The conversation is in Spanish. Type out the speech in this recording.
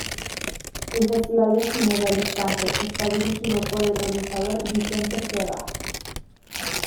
El Festival de cine de Alicante está dirigido por el realizador Vicente Seva.